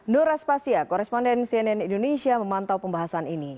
nur aspasya koresponden cnn indonesia memantau pembahasan ini